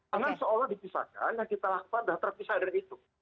karena seolah dipisahkan yang kita lakukan sudah terpisah dari itu